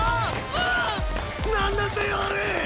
うん！何なんだよあれ！